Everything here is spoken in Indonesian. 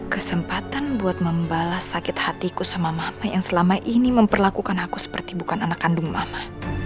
kesempatan buat membalas sakit hatiku sama mama yang selama ini memperlakukan aku seperti bukan anak kandung mama